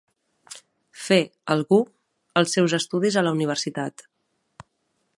Fer, algú, els seus estudis a la universitat.